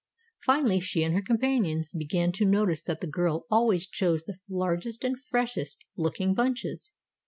Finally she and her companions began to notice that the girl always chose the largest and freshest looking bunches.